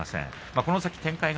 この先の展開